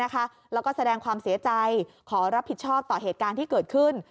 แล้วก็แสดงความเสียใจขอรับผิดชอบต่อเหตุการณ์ที่เกิดขึ้น